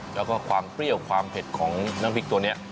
แล้วก็ความเปรี้ยวความเผ็ดของน้ำพริกตัวนี้